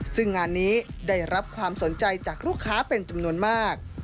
ซึ่งงานนี้ได้รับความสนใจจากลูกค้าเป็นจำนวนมาก